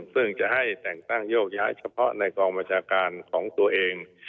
ซึ่งจะให้แต่งตั้งโยกย้ายเฉพาะในกองบัญชาการของตัวเอง